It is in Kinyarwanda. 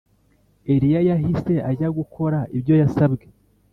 Eliya yahise ajya gukora ibyo yasabwe.